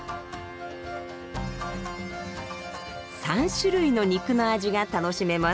３種類の肉の味が楽しめます。